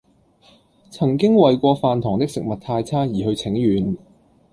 曾經為過飯堂的食物太差而去請願